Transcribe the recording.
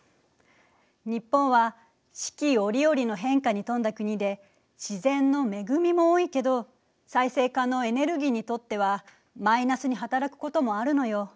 日本は四季折々の変化に富んだ国で自然の恵みも多いけど再生可能エネルギーにとってはマイナスに働くこともあるのよ。